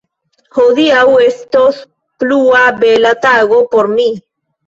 Hodiaŭ estos plua bela tago por mi.